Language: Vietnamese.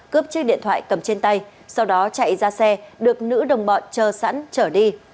cướp chiếc điện thoại cầm trên tay sau đó chạy ra xe được nữ đồng bọn chờ sẵn trở đi